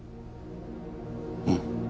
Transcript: うん？